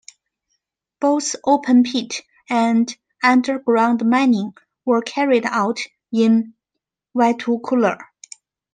Both open-pit and underground mining were carried out in Vatukoula.